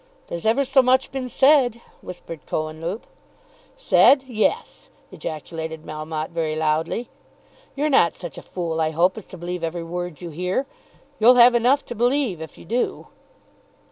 "There's ever so much been said," whispered Cohenlupe. "Said; yes," ejaculated Melmotte very loudly. "You're not such a fool, I hope, as to believe every word you hear. You'll have enough to believe, if you do."